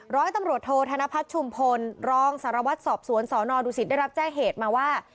ร้อยตำรวจโทษธนพัฒน์ชุมพลรองสารวัตรสอบสวนสนดุสิตได้รับแจ้งเหตุมาว่า